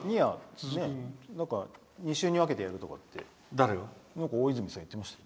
２週に分けてやるって大泉さん言ってました。